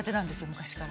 昔から。